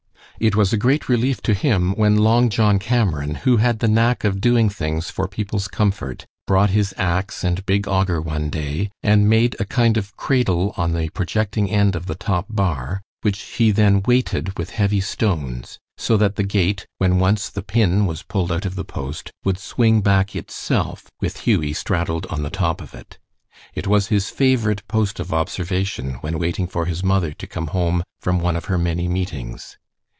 It was a great relief to him when Long John Cameron, who had the knack of doing things for people's comfort, brought his ax and big auger one day and made a kind of cradle on the projecting end of the top bar, which he then weighted with heavy stones, so that the gate, when once the pin was pulled out of the post, would swing back itself with Hughie straddled on the top of it. It was his favorite post of observation when waiting for his mother to come home from one of her many meetings.